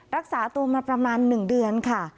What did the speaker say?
รักษาตัวมาประมาณ๑เดือนค่ะ